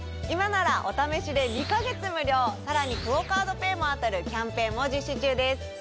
今ならお試しで２か月無料さらにＱＵＯカードＰａｙも当たるキャンペーンも実施中です。